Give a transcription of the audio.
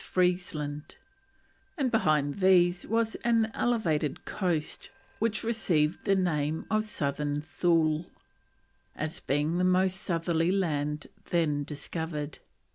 Freesland; and behind these was an elevated coast which received the name of Southern Thule, as being the most southerly land then discovered.